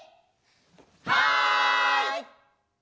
はい！